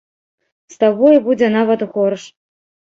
З табою будзе нават горш.